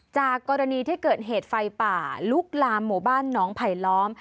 จากกรณีที่เกิดเหตุไฟป่าลุกลามหมู่บ้านน้องไผลล้อม